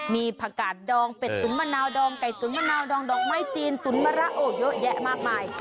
มีผักกาดดองเป็ดตุ๋นมะนาวดองไก่ตุ๋นมะนาวดองดอกไม้จีนตุ๋นมะระโอ้เยอะแยะมากมาย